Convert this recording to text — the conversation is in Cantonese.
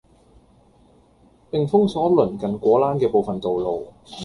並封鎖鄰近果欄嘅部分道路